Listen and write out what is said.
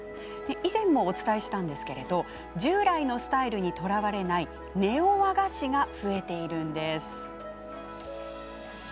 以前もお伝えしたんですけれど従来のスタイルにとらわれないネオ和菓子が増えているんです。